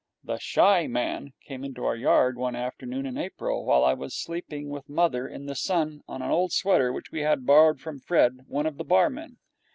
The Shy Man came into our yard one afternoon in April, while I was sleeping with mother in the sun on an old sweater which we had borrowed from Fred, one of the barmen.